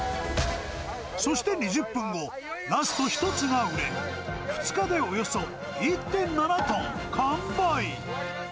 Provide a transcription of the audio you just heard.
そして、２０分後、ラスト１つが売れ、２日でおよそ１．７トン完売。